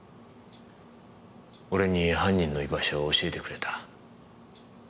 俺に犯人の居場所を教えてくれた。